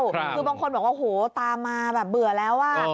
คือบางคนบอกว่าโหตามมาแบบเบื่อแล้วอ่ะ